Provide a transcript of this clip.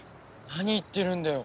何言ってるんだよ。